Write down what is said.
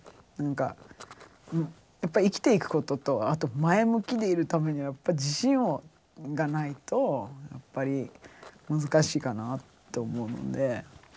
なんかやっぱ生きていくこととあと前向きでいるためにはやっぱ自信がないとやっぱり難しいかなと思うんで。